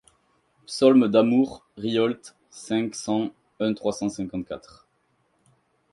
Psaulmes d’amour Riault cinq cent un trois cent cinquante-quatre.